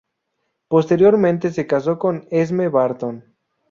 Posteriormente se casó con Esme Barton.